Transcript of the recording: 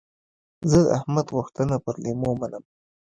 زه د احمد غوښتنه پر لېمو منم.